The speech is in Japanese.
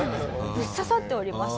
ぶっ刺さっております。